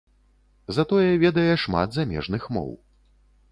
Затое ведае шмат замежных моў.